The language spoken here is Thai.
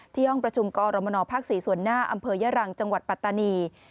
ห้องประชุมกรมนภ๔ส่วนหน้าอำเภอยรังจังหวัดปัตตานี